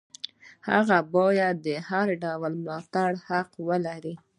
هغه باید د هر ډول ملاتړ حق ولري.